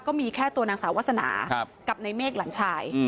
ก็มีแค่ตัวนางสาววาสนากับในเมฆหลานชาย